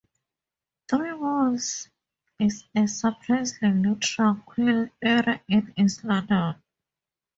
Three Mills is a surprisingly tranquil area in east London.